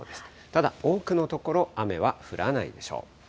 ただ、多くの所、雨は降らないでしょう。